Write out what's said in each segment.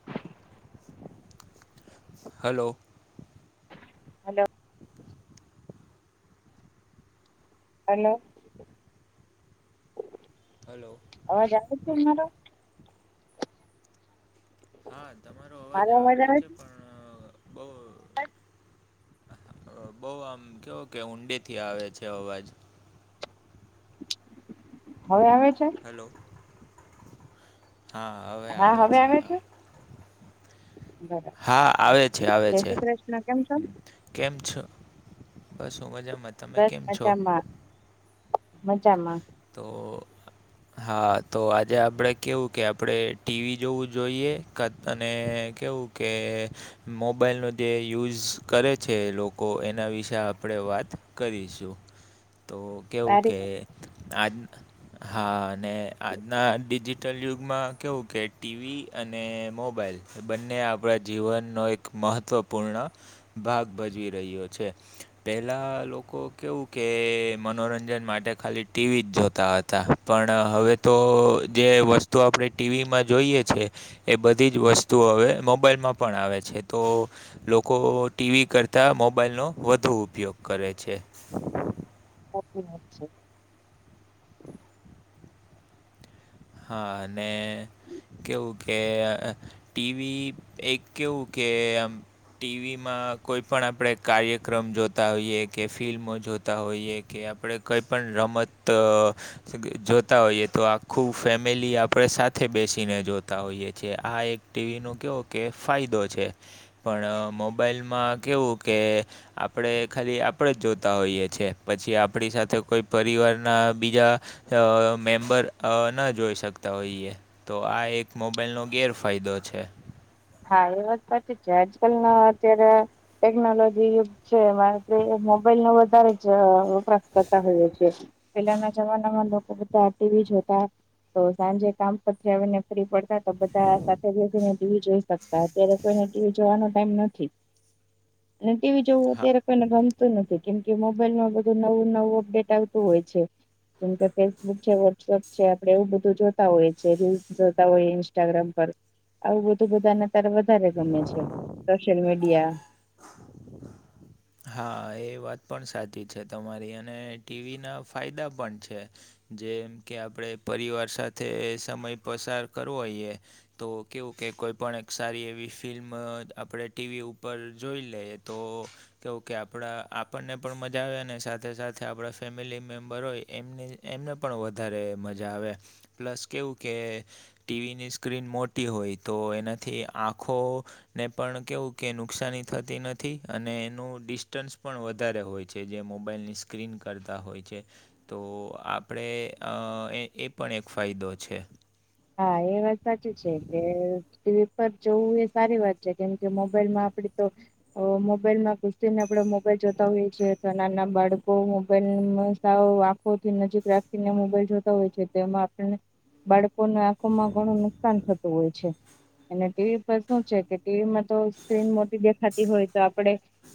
[inaudible] Hello. Hello. Hello. Hello અવાજ આવે છે મારો હા તમારો અવાજ આવે તો છે પણ બહુ બઉ આમ કેવો કે ઊંડે થી આવે છે અવાજ. હવે આવે છે. હલો હા હવે આવે છે હા. બરાબર હા આવે છે આવે જય છે. શ્રી કૃષ્ણ કેમ છો કેમ છો બસ હું મજામાં તમે બસ કેમ છો મજામાં મજામાં. તો હા તો આજે આપણે કેવું કે આપણે ટીવી જોવું જોઈએ ક તને કેવું કે મોબાઈલનો જે યુઝ કરે છે લોકો એના વિશે આપણે વાત કરીશું. તો કેવું સારી કે વાત આજ હા અને આજના ડિજિટલ યુગમાં કેવું કે ટીવી અને મોબાઈલ બંને આપણા જીવનનો એક મહત્ત્વપૂર્ણ ભાગ ભજવી રહ્યો છે. પેલા લોકો કેવું કે મનોરંજન માટે ખાલી ટીવી જ જોતા હતા પણ હવે તો જે વસ્તુ આપણે ટીવીમાં જોઈએ છે એ બધી જ વસ્તુઓ હવે મોબાઈલમાં પણ આવે છે તો લોકો ટીવી કરતા મોબાઈલ નો વધુ ઉપયોગ કરે છે. સાચી વાત છે. હા અને કેવું કે ટીવી એક કેવું કે ટીવીમાં કોઈ પણ આપણે કાર્યક્રમ જોતા હોઈએ કે ફિલ્મો જોતા હોઈએ કે આપણે કંઈ પણ રમત જોતા હોઈએ તો આખું ફેમિલી આપણે સાથે બેસીને જોતા હોઈએ છીએ આ એક ટીવી ન કેવો કે ફાયદો છે. પણ મોબાઈલમાં કેવું કે આપણે ખાલી આપણે જોતા હોઈએ છીએ પછી આપણી સાથે કોઈ પરિવાર ના બીજા અ મેમ્બર અ ના જોઈ શકતા હોઈએ તો આ એક મોબાઈલ નો ગેરફાયદો છે. હા એ વાત વાત છે આજકાલ ના અત્યારે ટેકનોલોજી યુગ છે મારે મોબાઈલ નો વધારે જ વપરાશ કરતા હોય છે. પેલાના જમાનામાં લોકો બધા ટીવી જોતા તો સાંજે કામ પરથી આવીને ડ બધા સાથે ટીવી જોઈ સકતા અત્યારે કોઈ ટાઈમ નથી અને ટીવી જોવું હા અત્યારે કોઈને ગમતું નથી. કેમ કે મોબાઈલમાં બધું નવું નવું અપડેટ આવતું હોય છે. જેમકે ફેસબુક છે વોટ્સઅપ છે આપડે એવું બધું જોતા હોઈએ છેએ રીલ્સ જોતા હોઈએ ઇન્સ્ટાગ્રામ પર આવું બધું બધાને તારે વધારે ગમે છે સોશિયલ મીડિયા [inaudible] હા એ વાત પણ સાચી છે તમારી અને ટીવીના ફાયદા પણ છે. જેમ કે આપણે પરિવાર સાથે સમય પસાર કરવો હોઈએ તો કેવું કે કોઈ પણ એક સારી એવી ફિલ્મ આપણે ટીવી ઉપર જોઈ લઈએ તો કેવું કે આપણા આપણને પણ મજા આવે અને સાથે સાથે આપણા ફેમિલી મેમ્બર હોય એમને એમને પણ વધારે મજા આવે પ્લસ કેવું કે ટીવીની સ્ક્રીન મોટી હોય તો એનાથી આંખો ને પણ કેવું કે નુકસાની થતી નથી અને એનું ડિસ્ટન્સ પણ વધારે હોય છે જે મોબાઈલની સ્ક્રીન કરતાં હોય છે તો આપણે અ એ પણ એક ફાયદો છે હા એ વાત સાચી છે કે ટીવી પર જોવું એ સારી વાત છે કેમ કે મોબાઈલ માં આપડ તો મોબાઈલમાં કુશતીને આપણેે મોબાઈલ જોતા હોઈએ છીએ તો નાના બાળકો મોબાઈલ આંખોથી નજીક રાખીને મોબાઈલ જોતા હોય છે તેમાં આપને બાળક ને આંખોમાં ઘણું નુકસાન થતું હોય છે અને ટીવી પર શું છે કે ટીવીમાં તો સ્ક્રીન મોટી દેખાતી હોય તો આપડે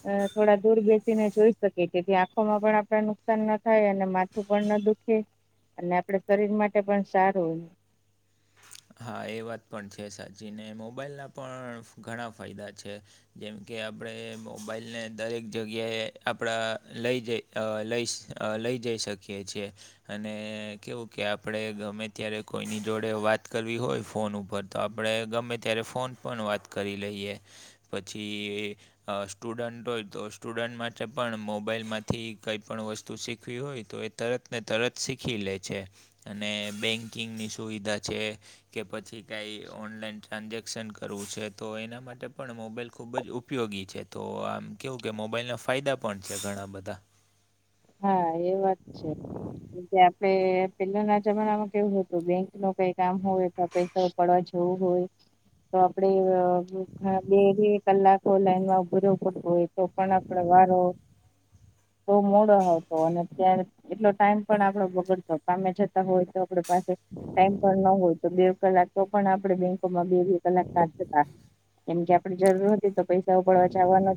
અ થોડા દૂર બેસી ને જોઈ તેથી આંખોમાં પણ આપણા નુકસાન ના થાય અને માથું પણ ના દુખે અને આપણા શરીર માટે પણ સારુંય હા એ વાત પણ છે સાચી ને મોબાઈલના પણ ઘણા ફાયદા છે જેમ કે આપણે મોબાઈલ ને દરેક જગ્યાએ આપડા લઈ જઈ લઈ લઈ જઈ શકીએ છેીએ અને કેવું કે આપડે ગમે ત્યારે કોઈની જોડે વાત વાત કરવી હોય ફોન ઉપર તો આપણે ગમે ત્યારે ફોન પણ વાત કરી લઈએ પછી અ સ્ટુડન્ટ હોય તો સ્ટુડન્ટ માટે પણ મોબાઈલમાંથી કઈ પણ વસ્તુ શીખવી હોય તો તરતને તરત શીખી લે છે અને બેન્કિંગની સુવિધા છે કે પછી કઈ ઓનલાઈન ટ્રાન્ઝેક્શન કરવું છે તો એના માટે પણ મોબાઈલ ખુબ જ ઉપ ઉપયોગી છે તો આમ કેવું કે મોબાઈલના ફાયદા પણ છે ઘણા બધા હા એ વાત છે આપે પેલા ના જમાનામાં કેવું હતું બેંક નું કઈ કામ હોયથવા પૈસા પડવા જવું હોય તો આપણેે હા બે બે કલાકો લાઈન માં ઊભું રેવું પડતું હોય તો પણ આપણે વારો બ મોડો અને ત એટલો ટાઈમ પણ આપડો બગડતો કામે જતા હોય તો આપડ [inaudible] ટાઈમ ન હોય તો બે કલાક તો પણ આપે બે બે બે કલાક ક જતા એમ કે આપડે જરૂર હતી તો, પૈસા ઉપડવાવાનો જવાનુ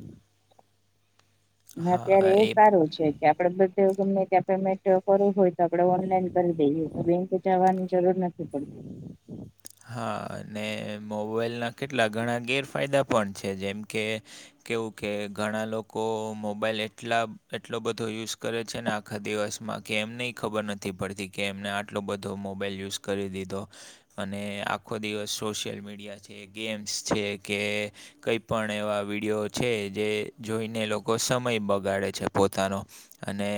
હા ત્યારે એ સારું છે, કે આપણેે બધું ગમે ત્યાં પેમેન્ટ કરવું હોય તો, આપડણે ઓનલાઈન કરી દઈએ બેંક જવાની જરૂર નથી પડતી. [inaudible] હા, અને મોબાઈલના કેટલા ઘણા ગેરફાયદા પણ છે, જેમ કે કેવું કે ઘણા લોકો મોબાઈલ એટલા એટલો બધો યુઝ કરે છે, ને આખા દિવસમાં કે એમને ખબર નથી પડતી કે એમને આટલો બધો મોબાઈલ યુઝ કરી દીધો. અને આખો દિવસ સોશિયલ મીડિયા છે ગેમ્સ છે, કે કઈ પણ એવા વિડીયો છે જે જોઈને લોકો સમય બગાડે છે, પોતાનો અને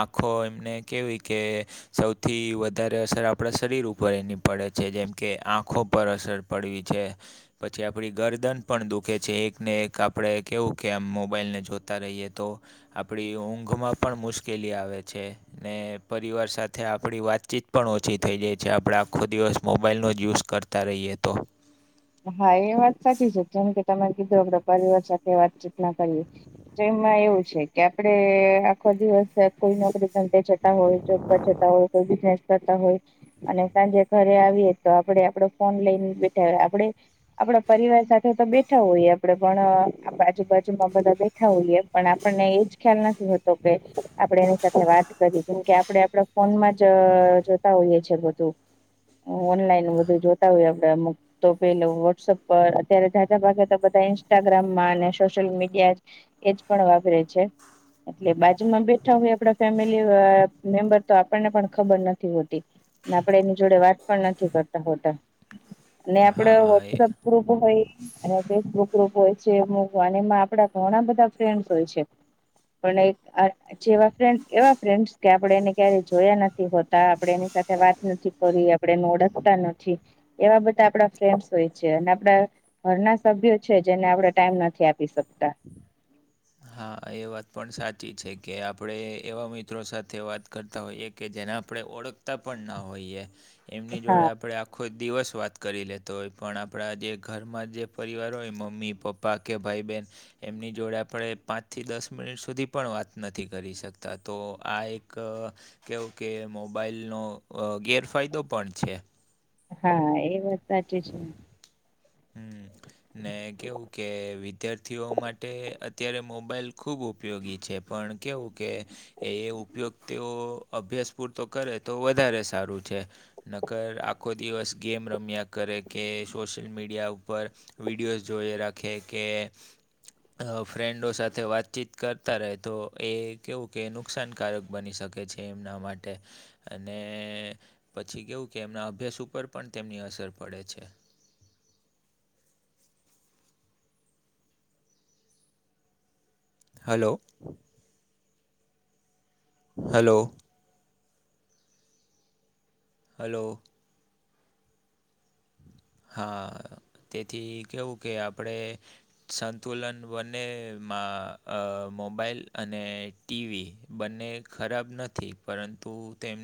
આખો એમને કેવી કે સૌથી વધારે અસર આપ આપણા શરીર ઉપર એની પડે છે જેમ કે આંખો પર અસર પડવી છે, પછી આપણી ગરદન પણ દુઃખે છે, એક ને એક આપણે કેહેવું કે આમ મોબાઈલને જોતા રહીએ તો આપણી ઊંઘમાં પણ મુશ્કેલી આવે છે. ને પરિવાર સાથે આપડી વાતચીત પણ ઓ છી થઈ જાય છે, આપણે આખો દિવસ મોબાઈલનો જ યુઝ કરતા રહીએ તો હા એ વાત સાચી છે, કેમ કે તમે કીધુ પરિવાર સાથે વાત ચિત ના કરીએ તેમાં એવું છે કે આપડે આખો દિવસ કોઈ નોકરી ધંધે જતા હોય કોઈ બિઝનેસ કરતા હોય અને સાંજે ઘ રે આવીએ તો આપડે આપડો ફોન લઈને બેઠા, આપડે આપડા પરિવાર સાથે તો બેઠા હોયએ આપડે પણ આજુબાજુમાં બધા બેઠા હોએ પણ આપણને એજ ખ્યાલ નથી હોતો કે આપણે એની સાથે વાત કરી કેમકે આપડે આપડા ફોનમાં જ જોતા હોઈએ છે, બધું ઓનલાઈન બધું જોતા હોઈએ આપડે અમુક પેલુ વોટસપ પર અત્યારે જાઝાઝા ભાગે તો બધા ઇન્સ્ટાગ્રામમાં અને સોશિયલ મીડિયા જ એજ પણ વાપરે છે, એટલે બા જુ માં બેઠા હોય આપણા ફેમિલી મેમ્બર તો આપણને પણ ખબર નથી હોતી. અને આપડે એની જોડે વાત પણ નથી કરતા હોતા. આપડુ હા એ વોટ્સઅપ ગ્રુપ હોય અને ફેસબુક ગ્રુપ હોય છે, મોઘવાન એમાં આપડા ઘણા બધા ફ્રેન્ડ્સ હોય છે. પણ એક જેવા ફ્રેન્ડ એવા ફ્રેન્ડ કે આપણેે એને ક્યારેય જોયા નથી હોતા આપણે એની સાથે વાત નથી કરી આપણે એને ઓળખતા નથી કે એવા બધા આપડા ફ્રેન્સ હોય છે અને આપડા ઘરના સભ્યો છે, જેને આપણે ટાઈમ નથી આપી શકતા. હા, એ વાત પણ સાચી છે કે આપણેે એવા મિત્રો સાથે વાત કરતા હોઈએ કે જેને આપણે ઓળખતા પણ ના હોઈએ એમની જોડે હા આપણે આ કોઈ દિવસ વાત કરી લેતો હોય, પણ આપણા જે ઘરમાં જે પરિવાર હોય મમ્મી પપ્પા પાકે ભાઈ બેહેન એમની જોડે આપણે પાંચથી દસ મિનિટ સુધી પણ વાત નથી કરી શકતા તો આ એક કેવું કે મોબાઈલનો ગેરફાયદો પણ છે. હા એ વાત સાચી છે. હમ ને કેવું કે વિદ્યાર્થીઓ માટે અત્યારે મોબાઈલ ખૂબ ઉપયોગી છે, પણ કેવું કે એ ઉપયોગ તેઓ અભ્યાસ પૂરતો કરે તો વધારે સારું છે. નકર આખો દિવસ ગેમ રમ્યા કરે કે સોશિયલ મીડિયા ઉપર વિડીયોઝ જોઈ રાખે કે ફ્રેન્ડો સાથે વાતચીત કરતા રહે તો એ કેવું કે નુકસાનકારક બની શકે. કે છે એમના માટે અને પછી કેવું કે એમના અભ્યાસ ઉપર પણ તેમની અસર પડે છે. Hello hello. હલો. હા તેથી કેવું કે આપડે સંતુલન વનેમાં અ મોબાાઈલ અને ટીવી બંને ખરાબ નથી પરંતુ તેમને